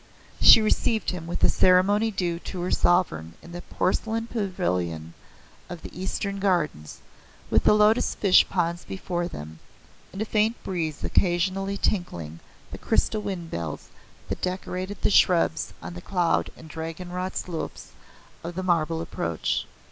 She received him with the ceremony due to her sovereign in the porcelain pavilion of the Eastern Gardens, with the lotos fish ponds before them, and a faint breeze occasionally tinkling the crystal wind bells that decorated the shrubs on the cloud and dragon wrought slopes of the marble approach.